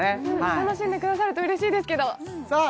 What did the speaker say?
楽しんでくださると嬉しいですけどさあ